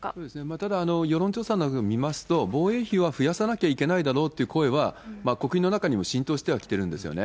ただ世論調査なんかを見ますと、防衛費は増やさなきゃいけないだろうという声は、国民にも浸透してはきてるんですよね。